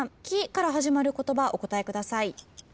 「き」から始まる言葉お答えください。